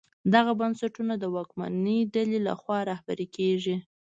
دغه بنسټونه د واکمنې ډلې لخوا رهبري کېږي.